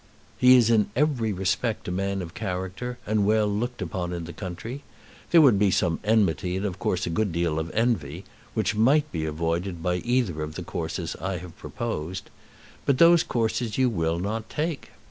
"He is in every respect a man of character, and well looked upon in the country. There would be some enmity and a good deal of envy which might be avoided by either of the courses I have proposed; but those courses you will not take.